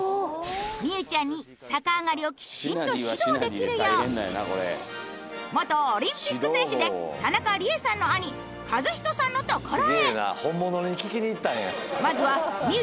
みうちゃんに逆上がりをきちんと指導できるよう元オリンピック選手で田中理恵さんの兄和仁さんのところへ。